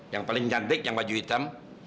yang paling cantik yang baju hitam